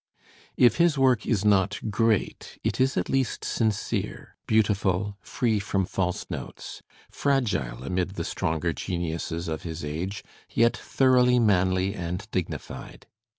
If his work is not great, it is at least sincere, beautiful, free from false notes, fragile amid the stronger geniuses of his age, yet thoroughly manly and dignified.